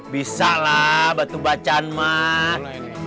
bisa lah batu bacan mak